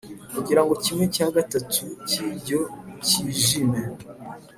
kugira ngo kimwe cya gatatu cyabyo cyijime